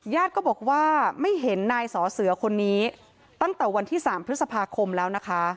ญาติก็บอกว่าไม่เห็นนายสะเสือคนนี้ตั้งแต่วันที่๓พคแล้ว